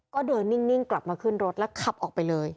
ก็เดินนิ่งกลับมาขึ้นรถแล้วขับออกไปเลย